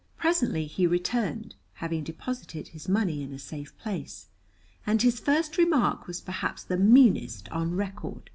Presently he returned, having deposited his money in a safe place, and his first remark was perhaps the meanest on record.